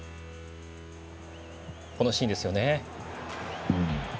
こちらのシーンですね。